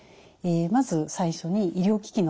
まず最初に医療機器のＭＲＩ。